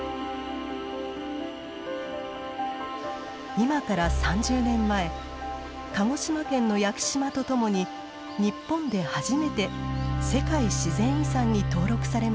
今から３０年前鹿児島県の屋久島とともに日本で初めて世界自然遺産に登録されました。